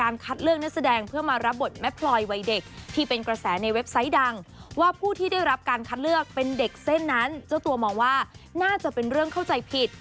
เรามีวิธีทำงานของเรา